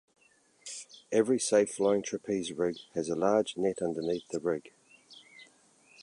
Every safe flying trapeze rig has a large net underneath the rig.